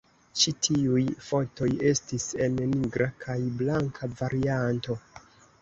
Ĉi tiuj fotoj estis en nigra kaj blanka varianto.